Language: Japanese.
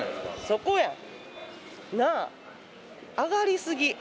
そこや、なあ。上がりすぎ。